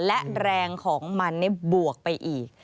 และแรงของมันบวกไปอีก